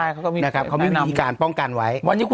ขัมมี่วิธีการป้องกันไว้